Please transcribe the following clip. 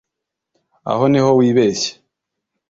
aho niho wibeshye